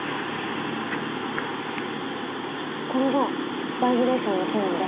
これがバイブレーションの機能で。